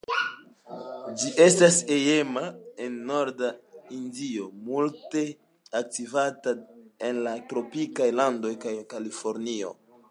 Ĝi estas hejma en Norda Hindio, multe kultivata en la tropikaj landoj kaj Kalifornio.